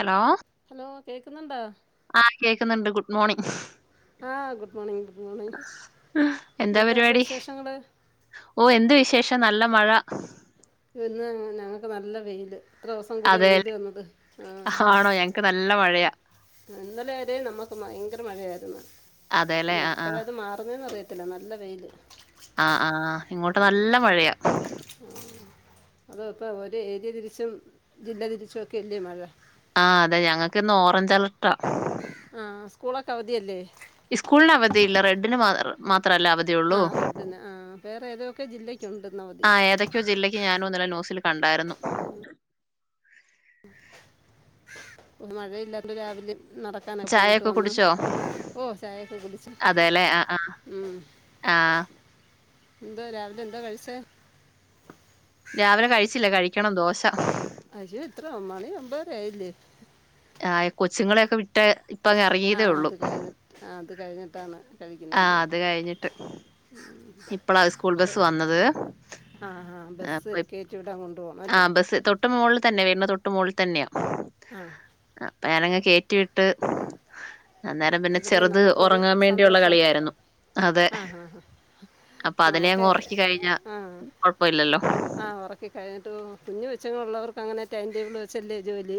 Hello hello, കേക്കുന്നുണ്ടോ? ആഹ്, കേക്കുന്നുണ്ട് ഗുഡ് മോർണിംഗ്. ആഹ്, ഗുഡ് മോർണിംഗ്, ഗുഡ് മോർണിംഗ്. എന്താ ഉണ്ട് വിശേഷങ്ങള്? ഓഹ്, എന്ത് വിശേഷം നല്ല മഴ! ഇന്ന് ഞങ്ങക്ക് നല്ല വെയില്. ഇത്ര ദിവസം കൂടിയ വെയില് വന്നത്, ആഹ് ക് നല്ല മഴയാ. ഇന്നലെ വരെ നമ്മുക്ക് ഭയങ്കര മഴയായിരുന്നു. അതേല്ലേ ഇനി ആ ആ എപ്പോഴാ ഇത് മാറുന്നേന്ന് അറിയ ത്തില്ല, നല്ല വെയില്. ആഹ്, ആഹ് ഇങ്ങോട്ട് നല്ല മഴയാ. അത, ഇപ്പം ഒരു ഏരിയ തിരിച്ചും ജില്ല തിരിച്ചും ഒക്കെ ഇല്ലേ മഴ. ആഹ്, അതെ ഞങ്ങൾക്കിന്ന് ഓറഞ്ച് അലർട്ടാ. ആഹ്, സ്കൂളൊക്കെ അവധിയല്ലേ? ഇസ്കൂളിന് അവധിയില്ല. റെഡിന് മാ മാത്രല്ലേ അവധി. ആ ധിയൊള്ളൂ റെഡിന് ആ വേറെ ഏതൊക്കെ ജില്ലയ്ക്കുണ്ട് ഇന്ന് അവധി ആഹ്, ഏതൊക്കെയോ ജില്ലക്ക് ഞാനും ഇന്നലെ ന്യൂസിൽ കണ്ടായിരുന്നു. മഴയില്ലായിരുന്നു രാവിലെ. നടക്കാനെ പോയിട്ട് ചായയൊക്കെ വന്ന്. കുടിച്ചോ ഓഹ് ചായൊക്കെ കുടിച്ച്. ഉം ആഹ് ന്തോ രാവിലെ ന്താ കഴിച്ചേ? രാവിലെ കഴിച്ചില്ല. കഴിക്കണം ദോശ! അശു ഇത്ര മണി ഒമ്പതരയില്ലേ? ആഹ്, കൊച്ചുങ്ങളെയൊക്കെ വിട് ഇപ്പ അങ്ങ് ഇറങ്ങിയതേ ഉള്ളൂ? ആഹ്, അത് കഴിഞ്ഞിട്ടാണ് കഴിക്കുന്നെല്ല? ഇപ്പളാ സ്കൂൾ ബസ് വന്നത്? ആഹ്, ആഹ ആ, ബസ് അപ്പൊ ഇപ്- കേറ്റ വിടാൻ കൊണ്ടു പോണം. ആ അല്ലെ ബസ് തൊട്ട് മോളിൽ തന്നെ. വരുന്ന തൊട്ട് മോളിൽ തന്നെയാ... ആഹ് അപ്പൊ, ഞാനങ്ങ് കേറ്റി വിട്ട്. അന്നേരം പിന്നെ അതിൽ ചെറുത് നമുക്കൊരു ഉറങ്ങാൻ വേണ്ടിയുള്ള സന്തോഷം കളിയായിരുന്നു. അതെ [inaudible] അപ്പൊ, അതിനെ അങ്ങ് നമുക്ക് ഒറക്കി കഴിഞ്ഞ കൊഴപ്പല്ല ല്ലോ? കഴിട്ട് കുഞ്ഞ് കൊച്ചുങ്ങൾ ഉള്ളവർക്ക് അങ്ങനെ ടൈം ടബിൾ വെച്ചല്ലേ ജോലി.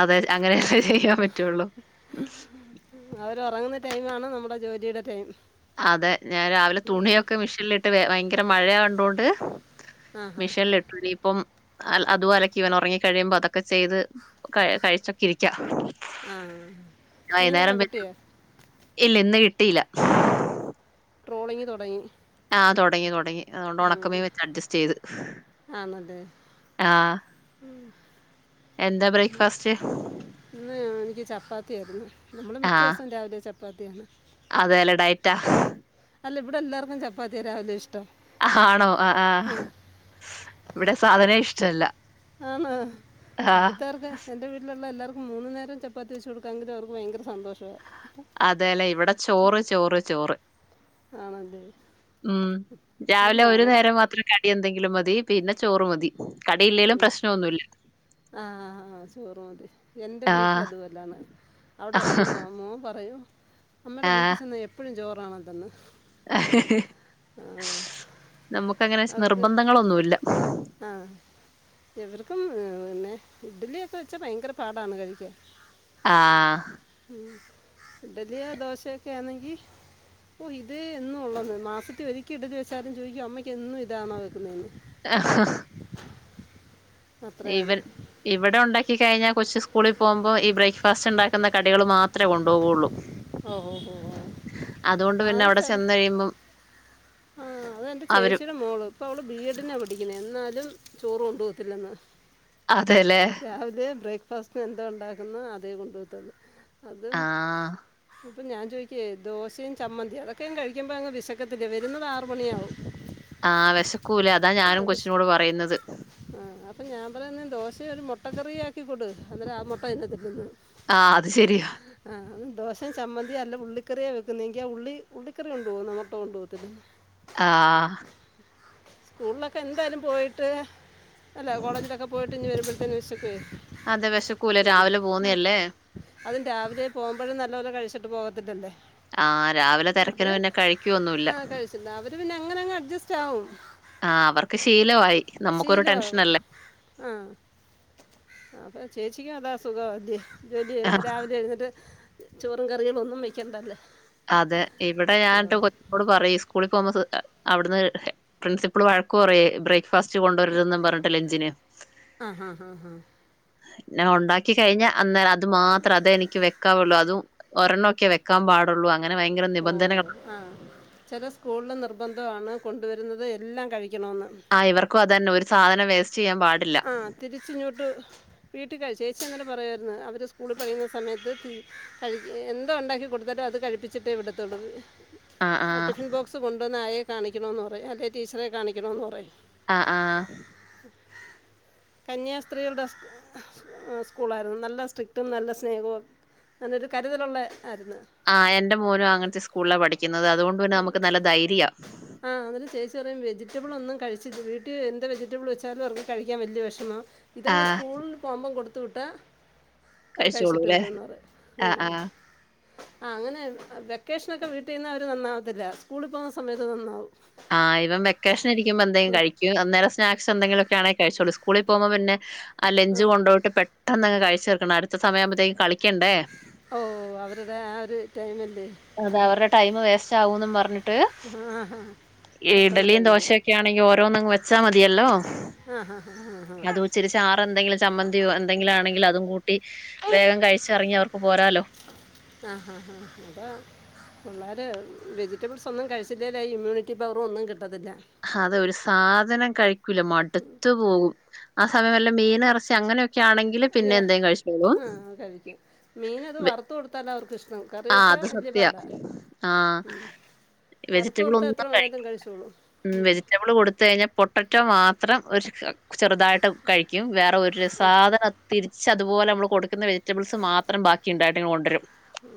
അതെ, അങ്ങനെയെ ചെയ്യാൻ പറ്റുള്ളൂ. അവർ ഒറങ്ങുന്ന ടൈം ആണ്. നമ്മുടെ ജോലിയുടെ ടൈം. അതെ, ഞാൻ രാവിലെ തുണിയൊക്കെ മിഷീനിലിട്ട് ഭയങ്കര മഴ കണ്ടൊ ണ്ട്. ആ ഹാ മിഷീനിലിട്ടു. ഇനിയിപ്പം അതും അലക്കി വേണം ഉറങ്ങി കഴിയുമ്പോ അതൊക്കെ. ഒക്കെ ചെയ്ത് കഴിച്ചൊക്കെ ഇരിക്കാം. ആ മീനൊക്കെ വൈകുന്നേരം വ കിട്ടിയോ ഇല്ല, ഇന്ന് കിട്ടിയില്ല. ട്രോളിങ്ങ് തൊടങ്ങി ആഹ് തൊടങ്ങി തൊടങ്ങി അതോണ്ട് ഒണക്കമീൻ വെച്ചഡ്ജസ്റ്റയ്ത് ആണല്ലേ ആഹ് എന്താ ബ്രേക്ക്ഫാസ്റ്റ് ഇന്ന് എനിക്ക് ചപ്പാത്തിയാര്ന്ന് നമ്മള് ആഹ് മിക്കോസവും രാവിലെ ചപ്പാത്തിയാണ് അതേലെ ഡയറ്റാ അല്ല ഇവിടെല്ലാർക്കും ചപ്പാത്തിയാ രാവിലെ ഇഷ്ടം ഹാണോ ആ ആ ഇവിടെ സാധനേ ഇഷ്ടല്ല ആന്നൊ ആഹ് ഇവിടുത്താർക്ക് എൻ്റെ വീട്ടിലൊള്ള എല്ലാർക്കും മൂന്നു നേരം ചപ്പാത്തി വെച്ച് കൊടുക്കാെങ്കിലും അവർക്ക് ഭയങ്കര സന്തോഷവാ അതേല്ലേ ഇവിടെ ചോറ് ചോറ് ചോറ് ആണല്ലേ ഉം ഇത് രാവിലെ ഒരു മോനെ നേരം മാത്രേ കടി എന്തെങ്കിലും മതി പിന്ന ചോറ് മതി കടിയില്ലേലും പ്രശ്നൊന്നുല്ല ആഹ് ആ ആ ചോറു മതി എൻ്റെ ആഹ് വീട്ടിലതുപോലാണ് അവിടെ മോ മോൻ പറയും അമ്മേടെ വീട്ടിൽ ചെന്ന എ എപ്പഴും ചോറാണ തന്നെ നമുക്കങ്ങന നിർബന്ധങ്ങളൊന്നുല്ല ആഹ് ഇവർക്കും പിന്നെ ഇഡലിയൊക്ക വെച്ചാ ഭയങ്കര പാടാണ് കഴിക്കാൻ ആഹ് ഉം ഇഡലിയോ ദോശയൊക്കെ ആണെങ്കി ഓ ഇത് എന്നൊള്ളത് മാസത്തി ഒരിക്കെ ഇടലി വെച്ചാലും ചോയിക്കും അമ്മെക്ക് എന്നും ഇതാണോ വെക്കുന്നേന്ന് അ ഹാ അത്രയാണ് ഇവൻ ഇവിടെ ഒണ്ടാക്കി കഴിഞ്ഞാ കൊച്ച് സ്കൂളിൽ പോവുംമ്പോം ഈ ബ്രേക്ക്ഫാസ്റ്റ് ഉണ്ടാക്കുന്ന കടികൾ മാത്രേ കൊണ്ടു പോകുള്ളൂ ഒ ഓ ഓ ഓ അതുകൊണ്ട് പിന്നെ ആഹ് അവിടെ സെർ ചെന്ന് കഴിയുമ്പം ഹാ അതെന്റെ അവരും ചേച്ചിടെ മോള് ഇപ്പോ അവള് ബി എഡിനാ പഠിക്കുന്നേ എന്നാലും ചോറ് കൊണ്ടു പോത്തില്ലെന്ന് അതെല്ലേ രാവിലെ ബ്രേക്ക്ഫാസ്റ്റിന് എന്തോ ഉണ്ടാക്കുന്ന് അതേ കൊണ്ടു പോത്തുള്ളു അതും ആഹ്. അപ്പൊ ഞാൻ ചോയിക്കും ദോശയും ചമ്മന്തിയും അതൊക്കെ കഴിക്കുംമ്പോ അങ്ങ് വെശക്കത്തില്ലെ വെരുന്നത് ആറ് മണിയാവും ആഹ് വെശക്കൂല അതാ ഞാനും കൊച്ചിനോട് പറയുന്നത് ആഹ് അപ്പൊ ഞാൻ പറയുന്ന ദോശ ഒരു മൊട്ടക്കറിയും ആക്കി കൊടു അന്നരം ആ മൊട്ട അയിനാത്തിട്ട്ന്ന് ആ അത് ശെരിയാ ആഹ് ദോശേം ചമ്മന്തിയും അല്ലാ ഉള്ളിക്കറിയാ വെക്കുന്നേങ്കി ആ ഉള്ളി ഉള്ളിക്കറി കൊണ്ടു പോവും എന്ന മൊട്ട കൊണ്ടു പോത്തില്ല ആ സ്കൂൾലക്കെ എന്തായാലും പോയിട്ട് അല്ല കോളേജിലൊക്കെ പോയിട്ട് ഇനി വെരുംമ്പഴ്ത്തേനും വെശക്കെ അതെ വെശക്കൂല രാവിലെ പോന്നല്ലേ അതും രാവിലെ പോവുംമ്പഴും നല്ലപോലെ കഴിച്ചിട്ട് പോത്തില്ലല്ലേ ആഹ് രാവിലെ തെരക്കിന് അവര് പിന്നെ കഴിക്കുവൊന്നുല്ല. ആ കഴിച്ചില്ല അവര് പിന്നങ്ങനങ് അഡ്ജസ്റ്റാവും ആ അവർക്ക് ശീലവായി നമുക്കൊരു ശീലാവും ടെൻഷനല്ലേ? ആ അപ്പം ചേച്ചിക്കും അതാ സുഖം അല്ലെ ആ, ജോലിയ്യെത് രാവിലെ എഴുന്നേറ്റ് ചോറും കറികളൊന്നും വെക്കണ്ടാല്ലേ അതെ ഇവിടെ ഞാട്ട് കൊച്ചിനോട് പറയും സ്കൂളി പോവുംമ്പോ ശ്രദ്ധി അവിട്ന്ന് പ്രിൻസിപ്പൾ വഴക്ക് പറേം ബ്രേക്ക്ഫാസ്റ്റ് കൊണ്ടുവെരുതെന്നും പറഞ്ഞിട്ട് ലെഞ്ചിന് അ ഹാ ഹ ഹാ നാ ഒണ്ടാക്കി കഴിഞ്ഞ അന്നേരം അത് മാത്രേ അതെ എനിക്ക് വെക്കാ ഒള്ളൂ അതും ഒരെണൊക്കെ വെക്കാൻ പാടുള്ളൂ അങ്ങന ഭയങ്കര ഓ ഓ നിബന്ധനകളൊ ആ ചെല സ്കൂൾൽ നിർബന്ധമാണ് കൊണ്ടുവെരുന്നത് എല്ലാം കഴിക്കണമെന്ന് ആ ഇവർക്കും അത്തന്നെ ഒരു സാധനം വേസ്റ്റയ്യാൻ പാടില്ല തിരിച്ചുങ്ങോട്ടു വീട്ട് [unintelligible] ചേച്ചി അന്നേരം പറയായിരുന്നു അവര് സ്കൂള് പയിയുന്ന സമയത്ത് കഴി എന്തോ ഉണ്ടാക്കി കൊടുത്താലും അത് കഴിപ്പിച്ചിട്ടേ വിടത്തോള്ളൂ ആഹ് ന്ന് ആഹ് ടിഫിൻ ബോക്സ് കൊണ്ടുവന്ന് ആയെ കാണിക്കണോന്ന് പറയും അല്ലെ ടീച്ചറെ കാണിക്കണന്ന് പറയും ആ. ആഹ് ഉ കന്യാസ്ത്രീകളുടെ സ്കൂളായിരുന്നു നല്ല സ്ട്രിക്റ്റും നല്ല സ്നേഹവും അന്നരു കരുതലുള്ള ആയിരുന്നു ആ എന്റെ മോനും അങ്ങൻത്തെ സ്കൂൾലാ പഠിക്കുന്നത് അതുകൊണ്ട് തന്നെ നമുക്ക് നല്ല ധൈര്യ ആ അന്നേരം ചേച്ചി പറയും വെജിറ്റബിൾ ഒന്നും കഴിചില്ല വീട്ടി എന്ത് വെജിറ്റബിൾ വെച്ചാലും അവർക്ക് കഴിക്കാൻ വല്ല്യ വേശ്മാ ഇതങ്ങ് ആഹ് സ്കൂൾ പോവുമ്പം കൊടുത്ത വിട്ട അവര് കഴിച്ചിട്ട് കഴിച്ചോളൂല്ലേ? വരുന്ന് പറിം ആഹ് ആഹ് ആ ആ അങ്ങനെ വെക്കേഷനൊക്കെ വീട്ടീന്ന് അവര് നന്നാവത്തില്ല സ്കൂള് പോവുന്ന സമയത്ത് നന്നാവും ആ ഇവം വെക്കേഷൻ ഇരിക്കുമ്പോ എന്തേ കയി അന്നേരം സ്നാക്സ് എന്തങ്കിലോക്കെ ആണേ കഴിചോളും സ്കൂളിൽ പോവുമ്പോ പിന്നെ ആ ലഞ്ച് കൊണ്ടോയിട്ട് പെ പെട്ടന്നങ് കഴിചീർക്കണം അട്ത്ത സമയ ആവുമ്പയെത്തേക്ക്‌ കളിക്കണ്ടേ ആ ഓ അവര്ടെ ആ ഒരു ടൈമല്ലേ അതെ അവര്ടെ ടൈമ് വേസ്റ്റ് ആവുന്നും പർഞ്ഞിട്ട് ആ ഹാ പെട്ടെന്ന് ഇഡലിയും കഴിക്കും ദോശയൊക്കെ ആണെങ്കി ഓരോന്നങ്ങ് വെച്ചാ മതിയല്ലോ ആ ഹാ ഹാ ഹാ ഹാ ഇചിരി ച്ചാറ് എന്തെങ്കിലും ചമ്മന്തിയോ എന്തെങ്കിലു ആണെങ്കില് അതും കൂട്ടി വേഗം കഴിച്ചറങ്ങി അവർക്ക് പോരാലോ ആ ഹാ ഹാ ഹാ അത പിള്ളര് വെജിറ്റബിൾസ് ഒന്നും കഴിച്ചില്ലേല് ഇമ്മ്യൂണിറ്റി പവറു ഒന്നും കിട്ടത്തില്ല അതെ ഒരു സാധനം കഴിക്കൂല മടുത്ത് പോകും ആ സമയ വല്ല മീന് ഇറച്ചി അങ്ങനെ ക്കെ ആണെങ്കില് പിന്നെ എന്തേ കഴിച്ചോളൂ കഴിക്ക മീനത് വറുത്ത കൊടുത്താല അവർക്ക് ഇഷ്ടം കറി ആഹ് വെച്ചാ അത് വല്യ സത്യവാ. പാടാ ആഹ് ഉം വറുത്തു വെജിറ്റബിൾ കൊടുത്ത ഒന്നും എത്ര കഴി വേണലും കഴിചോളും ഉം വെജിറ്റബിൾ കൊടുത്ത് കഴിഞ്ഞാൽ പൊട്ടറ്റോ മാത്രം ഒര് ചെറുതായിട്ട് കഴിക്കും വേറെ ഒരു സാധന തിരിച്ച് അതുപോലെ നമ്മള് കൊടുക്കുന്ന വെജറ്റബിൾസ് മാത്രം ബാക്കി ഇണ്ടായിട്ട് കൊണ്ടരും ഉം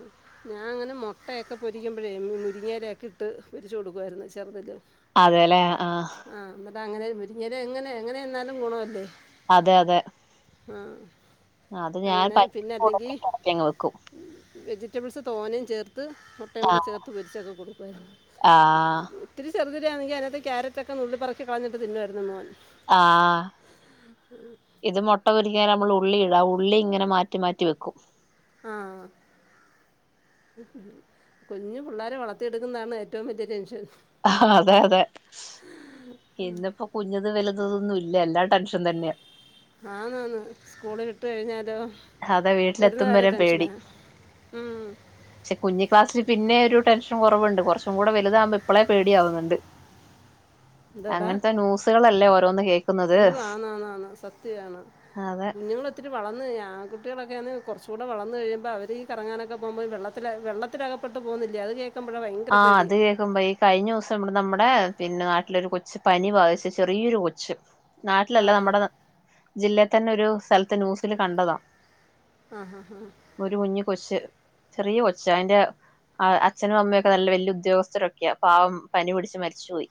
ഞാൻ ഇങ്ങനെ മൊട്ടയക്കെ പൊരിക്കുമ്പഴേ മുരിങ്ങയലക്കെ ഇട്ട് പൊരിച്ചു കൊടുക്കായിരുന്നു ചെർതില് അതെ ലേ ആഹ് ആ ന്നട്ട് അങ്ങനെ മുരിങ്ങല എങ്ങനെ എങ്ങനെ തിന്നാലും ഗുണ അല്ലേ അതെ അതെ ആ അത് ഞാൻ അങ്ങനെ പറ്റുന്ന പിന്നെ അല്ലെങ്കി കൂട്ടത്തിൽ ഇറക്കി അങ്ങ് വെക്കും. വെജിറ്റബിൾസ് തോനിം ചേർത്ത് മൊട്ടയും കൂടെ ആഹ് ചേർത്ത് പൊരിച്ചൊക്കെ കൊടുക്കായ്രുന്നു ആഹ് ഇത്തിരി ചെറുതിലേ [unintelligible] അയിനകത്തെ ക്യാരറ്റൊക്കെ നുള്ളി പറിക്ക്‌ കളഞ്ഞി്ട്ട് തിന്നുമായിരുന്നു മോൻ ആഹ് ഇത് മൊട്ട പൊരിക്ക്യാന് നമ്മള് ഉള്ളി ഇടാ ആ ഉള്ളി ഇങ്ങനെ മാറ്റി മാറ്റി വെക്കും ആ കുഞ്ഞ് പിള്ളേരെ വളർത്തിയെടുക്കുന്നതാണ് ഏറ്റവും വലിയ ടെൻഷൻ അഹാ അതെ അതെ ഇന്ന്പ്പോ കുഞ്ഞത് വല്ത് നൊന്നും ഇല്ല എല്ലാ ടെൻഷൻ തന്നെയാ ആ നന്ന് സ്കൂളി വിട്ട് കഴിഞ്ഞാലോ അതെ വരുന്ന വീട്ടിലെത്തും വരെ ടെൻഷന പേടി ഉം പക്ഷെ കുഞ്ഞി ക്ലാസ്സില് പിന്നെ ഒരു ടെൻഷൻ കൊറവുണ്ട് കുറച്ചും കൂടെ വലുതാവുമ്പോ ഇപ്പളേ പേടിയാവുന്നുണ്ട് എന്താടാ അങ്ങൻത്തെ ന്യൂസുകളല്ലേ ഓരോന്ന് കേക്കുന്നത് അയ്യോ അതെ കുഞ്ഞുങ്ങള ഒത്തിരി വളന്ന് ആ കുട്ടികളൊക്കെയാണ്ന്ന് കുറച്ച കൂടെ വർന്ന് കഴിയുമ്പോൾ അവർഈറങ്ങാനൊക്കെ പോക്പൾ വെള്ളെ വെള്ള ഒത്തിരികപ്പെട്ട് പോകുന്നില്ല അത് കേൾക്കുമ്പോഴാണ് ഭയങ്കര ആഹ് പേടി അത് കേൾക്കുമ്പോ ഈ കഴിഞ്ഞ ദിവസം ഇവിടെ നമ്മുടെ പിന്നെ നാട്ടിലൊരു കൊച്ച് പനി ബാധിച്ച് ചെറിയൊരു കൊച്ച് ആ നാട്ടിലല്ല നമ്മുടെ ജില്ലയ തന്നെ ഒരു സ്ഥലത്ത് ന്യൂസില് കണ്ടതാണ് ആഹ് ആ ആഹ് ഒരു കുഞ്ഞഞ് കൊച്ച് ചെറിയ കൊച്ച് അയിന്റെ അച്ഛനും അമ്മയൊക്കെ ഒ നല്ല വലയ ഉദ്യോഗസ്ഥരൊക്കെയാ പാവം പനി പിടിച്ച് മരിച്ചുപോയി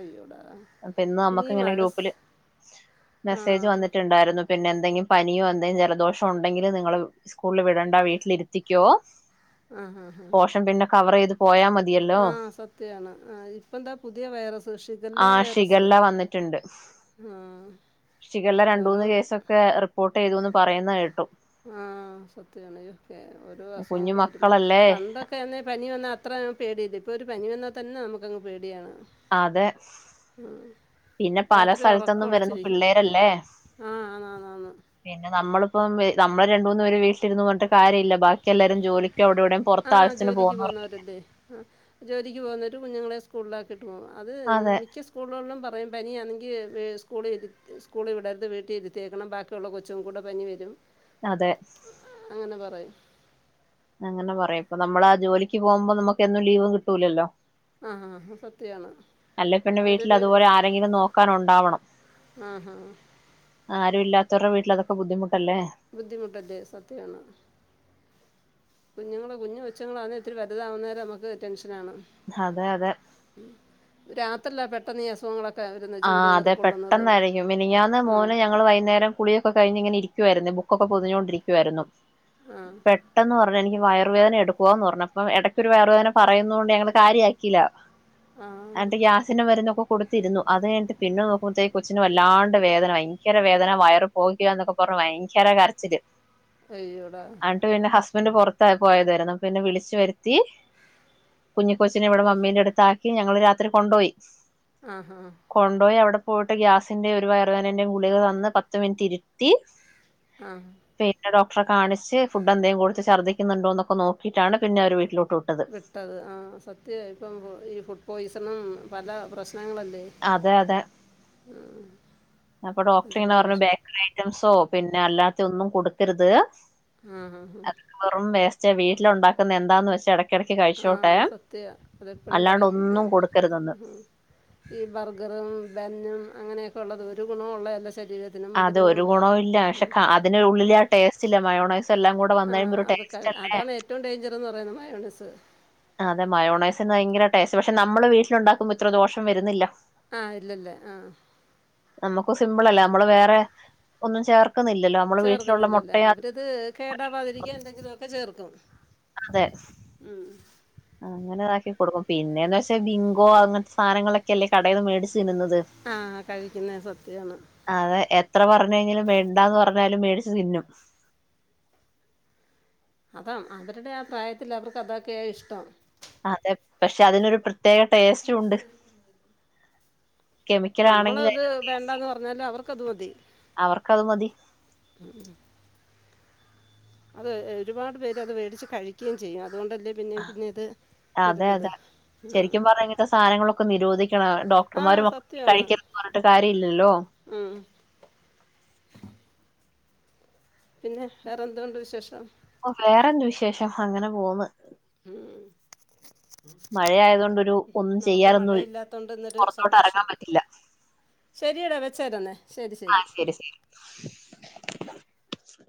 അയ്യോടാ അപ്പൊ ഇന്ന് ഇനി നമ്മക്ക് ഈ ഇങ്ങനെ മഴ സ്- ഗ്രൂപ്പില് മെസ്സേജ് ആ വന്നിട്ടുണ്ടായിരുന്നു പിന്നെ എന്തെങ്കിലും പനിയോ എന്തെങ്കിലും ജലദോഷോ ഉണ്ടെങ്കിലിൽ നിങ്ങള് സ്കൂളിൽ വിടണ്ട വീട്ടിലിരുത്തിക്കോ ആ ഹാ പോഷം പിന്നെ കവർ ചെയ്ത് പോയാൽ മതി ആഹ് സത്യാണ് ആ ഇപ്പ എന്താ പുതിയ വൈറസ് ഷിഗല്ല വൈറസ് ഇകല്ലാം വന്നിട്ടുണ്ട് ആഹ് ക്ഷികല്ല രണ്ട മൂന്ന് കേസൊക്കെ റിപ്പോർട്ട് ചെയ്തുന്ന് പറയുന്ന കേട്ടും ആ സത്യാണ് ക്കെ ഓരോ അസുഖങ്ങൾ കുഞ്ഞു വരുമ്പോ മക്കളല്ലേ പണ്ടൊക്കെ എന്ന പനി വന്ന അത്രഞ പേടിയത് ഇപ്പോൾ ഒരു പനി വന്നാൽ തന്നെ നമുക്കങ്ങ് പേടിയാണ് ആ അതെ പിന്നെ പല രാത്രി ഉറക്കം സ്ഥലത്തൊന്നും വരുന്ന ഉളച്ചിരിക്കും പിള്ളേരല്ലേ ആ ആന്ന് ആന്ന് ആന്ന് പിന്നെ നമ്മളിപ്പം നമ്മ രണ്ട മൂന്ന് പേര് വീട്ടിലിരുന്നു പറഞ്ഞിട്ട കാര്യമില്ല ബാക്കി എല്ലാരും ജോലിക്കവിടെവിടെയും പുറ ആ ജോലിക്ക് പോകുന്നവരല്ലേ ആ ജോലിക്ക് പോകുന്നവ ഒരു കുഞ്ഞുങ്ങളെ സ്കൂളിൽ ആകിയിട്ട് പോകും അത് അതെ മിക്ക സ്കൂളുകളിലും പറയും പനിയാണെങ്കിൽ സ്കൂളിൽ ഇരു സ്കൂളിൽ വിടരുത് വീട്ടിൽരുത്തിയേക്കണം ബാക്കി ബാക്കിയുള്ള കൊച്ചും കൂടെ പനി വരും അതെ അങ്ങനെ പറയും അങ്ങനെ പറയാം ഇപ്പൊ നമ്മള ആ ജോലിക്ക് പോകുമ്പോ നമുക്ക്ന്നും ലീവും കിട്ടൂലല്ലോ ആ ഹാ ഹാ സത്യമാണ് അല്ല പിന്നെ വീട്ടിൽ അവരൊരു അതുപോലെ ആരെങ്കിലും നോക്കാന ഉണ്ടാവണം ആഹ് ആഹ് ആരും ഇല്ലത്തരുടെ വീട്ടിൽ അതൊക്കെ ബുദ്ധിമുട്ടല്ലേ ബുദ്ധിമുട്ടല്ലെ സത്യാണ് കുഞ്ഞുങ്ങളൾ കുഞ്ഞഞ് കൊച്ചുങ്ങള ആ ഇത്തിരി വലുതാവുന്നേരെ നമുക്ക് ടെൻഷന ആണ് അതെ അതെ ഉ രാത്രില്ല പെട്ടെന്ന് അസുഖങ്ങളൊക്കെ വരുന്നത് ചൂട് ആഹ് അതെ കയറിക്കൊള്ളുന്നതും പെട്ടെന്നായിരിക്കും മിനിങ്ങാന്ന് ഉം. മോന് ഞങ്ങള്ൾ വൈകുന്നേരം കുളിയൊക്കെ കഴിഞ്ഞി ഇങ്ങന ഇരിക്കുായിരുന്നു ബുക്കൊക്കെ പൊഞ്ഞുകൊണ്ടരിക്കുവായിരുന്നു ആ പെട്ടെന്ന് പറഞ്ഞ എനിക്ക് വയറുവേദന എടു ടുക്കുവാ പറഞ്ഞ് ഇടക്കൊരു വേറെ പറയുന്നുന്നത്ണ്ട് ഞങ്ങള് കാര്യ ആക്കല്ല ആ എന്നിട്ട് ഗ്യാസ് സിന്റെ വരുന്നൊക്കെ കൊടുത്തിരുന്നു അത് കഴിട്ട് പിന്നെ നോക്കുമ്പോഴത്തേക്ക് കൊച്ചിനന് വല്ലാണ്ട് വേദന ഭയങ്കര വേന വയറ് പോകുക എന്നൊക്കെ പറഞ്ഞ് ഭയങ്കര കറച്ചില് അയ്യൊട ട്ട് പിന്നെ ഹസ്ബൻഡറ് പുറത്തായി പോയതായിരുന്നു നപ്പ പിന്നെ വിളിച്ചു വരുത്തി കുഞ്ഞിക്ക കൊച്ചിനെ ഇവിടെ ഓ മമ്മീന്റെ അടുത്താക്കി ഞങ്ങൾ രാത്രി കൊണ്ടുപോയി ആഹ് ആഹ് കൊണ്ടുപോയി അവിടെ പോയിട്ട് ഗ്യാസിന്റെറെ ഒരു വയറുവേനന്റെയും ഗുളികൾ തന്ന് പത്ത് മിനിറ്റ് ഇരുത്തി ആഹ് പിന്നെ ഡോക്റെ കാണിച്ച് ഫുഡ് എന്തേലും കൊടുത്ത് ഛദ്ദിക്കുന്നുണ്ടോന്നൊക്കെ നോക്കിയിട്ട പിന്നെര് വീട്ടിലോട്ട് വിട്ട് വിട്ടത് ആഹ് സത്യ ഇപ്പം ഈ ഫുഡ് പോയ്സണും പല പ്രശ്നങ്ങളല്ലേ അതെ അതെ ഉം അപ്പൊ ഡോക്ടറിങ്ങനെ പർഞ്ഞു ബേക്കറി ഐറ്റംസോ പിന്നെ അല്ലാത്ത ഒന്നും കൊടുക്കരുത്. ആഹ്. വെറും വേസ്റ്റ വീട്ടില് ഉണ്ടാക്കുന്ന എന്താന്ന് വെച്ചാ എട ആഹ് സത്യ അതെപ്പഴും അല്ലാണ്ട് പറയും ത് ഒന്നും കൊടുക്കരുതെന്ന് ഉം. ഈ ബർഗറും ബന്നും അങ്ങനെയൊക്കെ ഉള്ളത് ഒരു ഗുണവുഉള്ള അല്ല ശരീര അത് ഒരു ഗുണവുല്ല പക്ഷെ ക അതിന് ഉള്ളിലെ ആ ടേസ്റ്റില്ല മയോണയ്‌സ്. എല്ലാം കൂടെ വന്ന കഴിയുമ്പരു ടേസ്റ്റല്ലേ. റ്റും ഡേഞ്ചർന്ന് പറയുന്ന മയോണൈസ്. അതെ മയോണൈസ്ന്ന് ഭയങ്കര ടേസ്റ്റ് പക്ഷെ നമ്മള് വീട്ടിലുണ്ടാക്കുമ്പ ഇത്ര ദോഷം വരുന്നില്ല. ആഹ് ഇല്ലല്ലേ ആഹ്. നമ്മക്കു സിമ്പിളല്ലേ നമ്മള് വേറെ ഒന്നും ചേർക്കുന്നില്ലല്ലോ നമ്മള് വീട്ടിലുള്ള മുട്ടയു കേടാവതിരിക്ക്യാ എന്തെങ്കിലുമൊക്കെ ചേർക്കും. അതെ. ഉം. അങ്ങനെതാക്കി കൊടുക്കും പിന്നെന്ന് വെച്ചാ ബിങ്കോ അങ്ങൻത്ത സാധനങ്ങളൊക്കല്ലേ കടയിൽന്ന് മേടിച്ച് തിന്നുന്നത്. ആഹ് കഴിക്ക്യുന്ന സത്യാണ്. അതെ എത്ര പറഞ്കഴിഞ്ഞലും മേണ്ടാന്ന് പറഞ്ഞാലും മേടിച്ച് തിന്നും. അതാ അവരുടെ ആ പ്രായത്തിൽ അവർക്ക് അതൊക്കെയ ഇഷ്ടം. അതെ പക്ഷെ അതിനൊരു പ്രത്യേക ടേസ്റ്റുണ്ട്. നമ്മളത് വേണ്ടാന്ന് പറഞ്ഞാല് അവർക്കത് മതി. അവർക്കത് മതി. [inaudible] അത് ഒരുപാട് പേരത് വേടിച്ച് കഴിക്ക്യേം ചെയ്യും അതുകൊണ്ടല്ലേ പിന്നെ പിന്നെ ത് വരുന്നത്. ഉം. ശരിക്ക്യും പറഞ്ഞാ ഇങ്ങൻത്തെ സാധനങ്ങളൊക്കെ നിരോധിക്കണം ആ ഡോക്ടർമാരു സത്യമാണ് കഴിക്കന്ന് പറഞ്ഞിട്ട് കാര്യ ഇല്ലല്ലോ. ഉം. പിന്നെ വേറെന്തോണ്ട് വിശേഷം. ഓ വേറെന്ത് വിശേഷം അങ്ങനെ പോന്ന്. ഉം. മഴയായതുകൊണ്ട് ഒരു ഉം ഒന്നും നമുക്ക് ചെയ്യാനൊന്നും മഴയില്ലാത്തോണ്ട് ന്നൊരു പുറത്തോട്ട് സന്തോഷം. ഇറങ്ങാൻ പറ്റില്ല ശര്യടാ വെച്ചേര് ന്നേ ആഹ് ശരി ശരി.